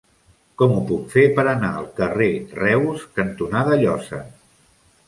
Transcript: Com ho puc fer per anar al carrer Reus cantonada Llosa?